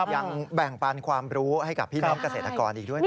ยังแบ่งปันความรู้ให้กับพี่น้องเกษตรกรอีกด้วยนะ